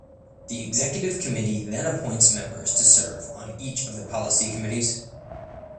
The Executive Committee then appoints members to serve on each of the policy committees.